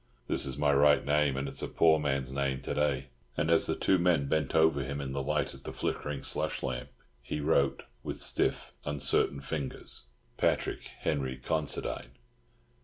This is my right name, and it's a poor man's name to day." And as the two men bent over him in the light of the flickering slush lamp, he wrote, with stiff, uncertain fingers, "Patrick Henry Considine."